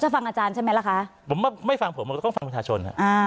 ผมว่าไม่ฟังผมต้องฟังประชาชน